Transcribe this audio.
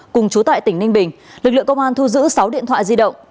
cùng chú tại tỉnh ninh bình lực lượng công an thu giữ sáu điện thoại di động